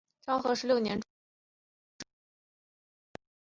昭和十六年转任台北第一高等女学校教师。